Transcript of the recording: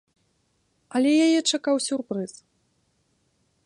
Але яе чакаў сюрпрыз.